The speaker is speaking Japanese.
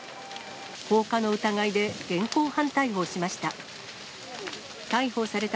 放火の疑いで現行犯逮捕しました。